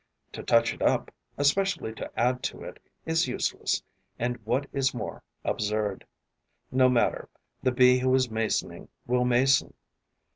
To touch it up, especially to add to it, is useless and, what is more, absurd. No matter: the Bee who was masoning will mason.